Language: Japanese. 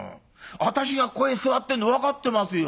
私がここへ座ってんの分かってますよ。